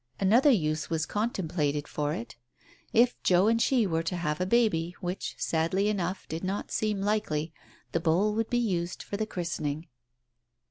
Another use was contemplated for it; if Joe and she were to have a baby, which, sadly enough, did not seem likely, the bowl would be used for the christening.